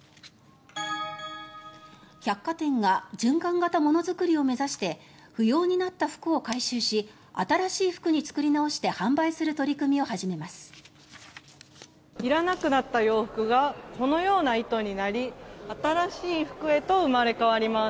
百貨店が循環型ものづくりを目指して不要になった服を回収し新しい服に作り直して販売する取り組みを始めます。